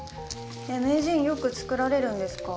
名人よく作られるんですか？